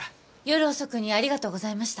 夜遅くにありがとうございました。